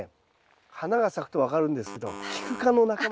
花が咲くと分かるんですけどキク科の仲間なんですね。